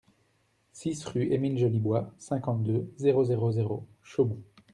six rue Émile Jolibois, cinquante-deux, zéro zéro zéro, Chaumont